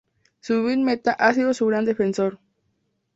Zubin Mehta ha sido su gran defensor.